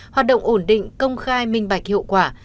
hoạt động ổn định công khai minh bạch hiệu quả